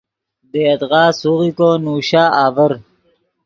دے یدغا سوغیکو نوشا آڤر